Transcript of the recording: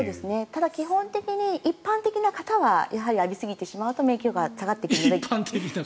ただ、基本的に一般的な方はやはり浴びすぎてしまうと免疫力が下がってしまう。